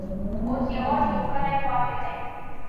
اوس یوازي یو کلی پاته دی.